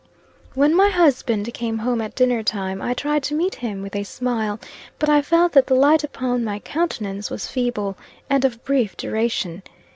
When my husband came home at dinner time, I tried to meet him with a smile; but I felt that the light upon my countenance was feeble, and of brief duration.